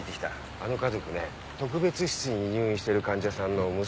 あの家族ね特別室に入院してる患者さんの娘さんの一家だって。